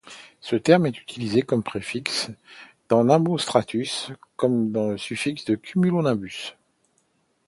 Ce terme est utilisé comme préfixe dans nimbostratus et comme suffixe dans cumulonimbus.